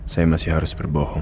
saya masih harus berbohong